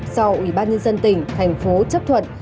do ủy ban nhân dân tỉnh thành phố chấp thuận